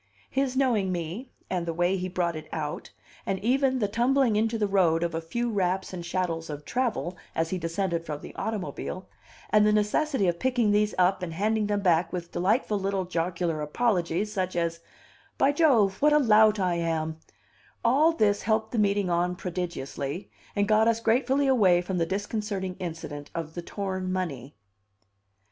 His knowing me, and the way he brought it out, and even the tumbling into the road of a few wraps and chattels of travel as he descended from the automobile, and the necessity of picking these up and handing them back with delightful little jocular apologies, such as, "By Jove, what a lout I am," all this helped the meeting on prodigiously, and got us gratefully away from the disconcerting incident of the torn money.